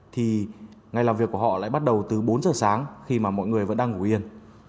thì ngày làm việc của họ lại bắt đầu từ bốn giờ sáng khi mà mọi người vẫn đang ngủ yên